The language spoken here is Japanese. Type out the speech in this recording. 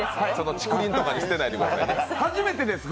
竹林とかに捨てないでくださいね。